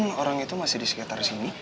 mungkin orang itu masih disekitar sini